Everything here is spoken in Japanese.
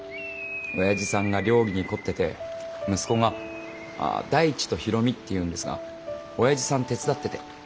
おやじさんが料理に凝ってて息子が大地と大海っていうんですがおやじさん手伝ってて。